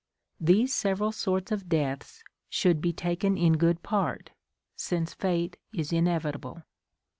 These several sorts of deaths sliould be taken in good part, since Fate is inevitable.